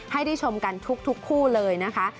ให้ได้ชมกันทุกคู่เลยนะคะ